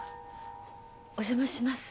お邪魔します。